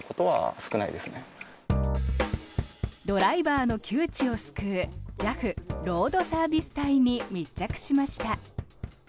ドライバーの窮地を救うＪＡＦロードサービス隊に密着しました。